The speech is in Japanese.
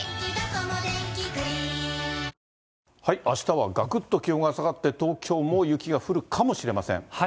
あしたはがくっと気温が下がって、東京も雪が降るかもしれません。